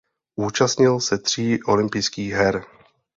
Účastnil se tří olympijských her.